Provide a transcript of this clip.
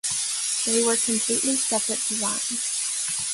They were completely separate designs.